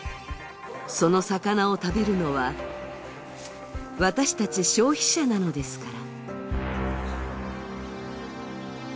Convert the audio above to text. その魚を食べるのは、私たち消費者なのですから。